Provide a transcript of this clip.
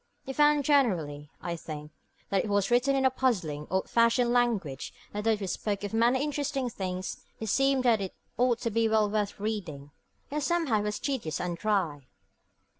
You found generally, I think, that it was written in a puzzling, old fashioned language, that though it spoke of many interesting things, and seemed that it ought to be well worth reading, yet somehow it was tedious and dry.